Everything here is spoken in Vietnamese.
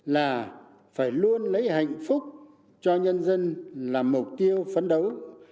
là phải luôn lấy hạnh phúc cho nhân dân là mục tiêu phấn đấu